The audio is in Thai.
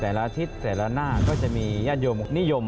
อาทิตย์แต่ละหน้าก็จะมีญาติโยมนิยม